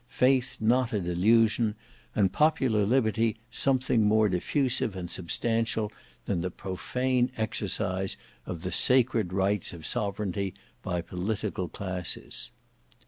Faith not a delusion, and Popular Liberty something more diffusive and substantial than the profane exercise of the sacred rights of sovereignty by political classes.